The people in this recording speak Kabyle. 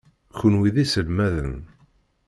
Kenwi d iselmaden.